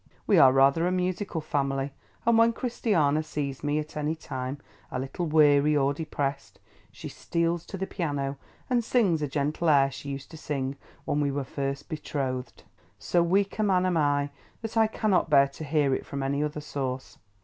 We are rather a musical family, and when Christiana sees me, at any time, a little weary or depressed, she steals to the piano and sings a gentle air she used to sing when we were first betrothed. So weak a man am I, that I cannot bear to hear it from any other source.